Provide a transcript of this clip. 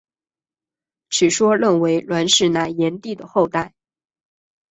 此说认为栾氏乃炎帝的后代。